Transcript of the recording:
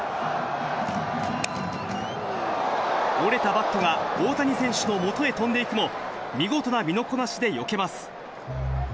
折れたバットが大谷選手のもとへ飛んでいくも、見事な身のこなしでよけます。